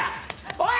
おい！